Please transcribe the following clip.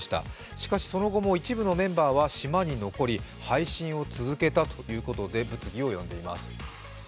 しかしその後も一部のメンバーは島に残り配信を続けたということで物議を呼でいます。